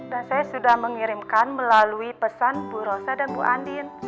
dan saya sudah mengirimkan melalui pesan bu rosa dan bu andin